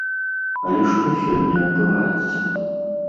Але што сёння адбываецца?